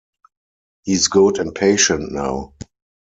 He’s good and patient now.